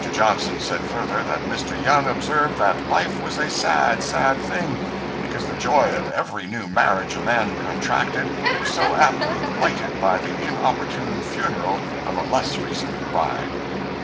Johnson said further, that Mr. Young observed that life was a sad, sad thing—"because the joy of every new marriage a man contracted was so apt to be blighted by the inopportune funeral of a less recent bride."